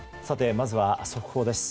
まずは速報です。